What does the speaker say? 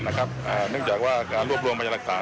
เนื่องจากว่าการรวบรวมพยาหลักฐาน